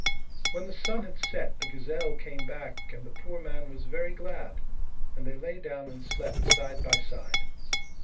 When the sun had set, the gazelle came back, and the poor man was very glad, and they lay down and slept side by side.